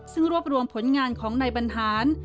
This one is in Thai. ซึ่งรวบรวมผลงานของนายบรรหาร